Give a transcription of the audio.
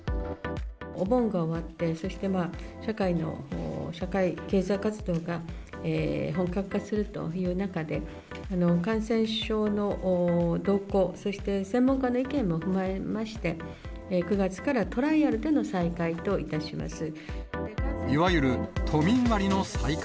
お盆が終わって、そして社会経済活動が本格化するという中で、感染症の動向、そして、専門家の意見も踏まえまして、９月からトライアルでの再開といたします。